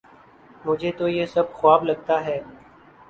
مجھے تو یہ سب خواب لگتا ہے